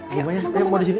bu mayang ayo kemau di sini